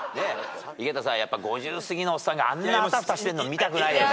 井桁さん５０すぎのおっさんがあんなあたふたしてるの見たくないよね。